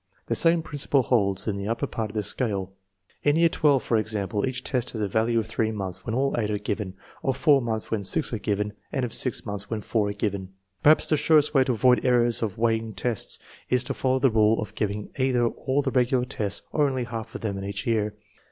The same principle holds in the upper part of the scale. In year 12, for example, each test has a value of 3 months when all eight are given, of 4 months when six are given, and of 6 months when four are given. Perhaps the surest way to avoid errors of weighting tests is to follow the rule of giving either all the regular tests or only half of them in each year.